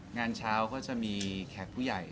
งานเช้าก็จะมีแขกผู้ใหญ่